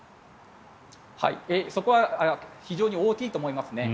そこは非常に大きいと思いますね。